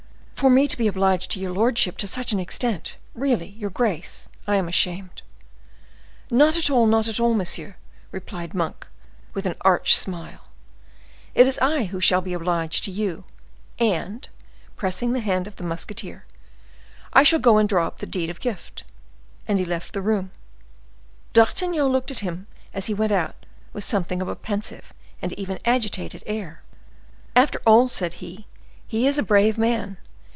"For me to be obliged to your lordship to such an extent! Really, your grace, I am ashamed." "Not at all, not at all, monsieur," replied Monk, with an arch smile; "it is I who shall be obliged to you. And," pressing the hand of the musketeer, "I shall go and draw up the deed of gift,"—and he left the room. D'Artagnan looked at him as he went out with something of a pensive and even an agitated air. "After all," said he, "he is a brave man.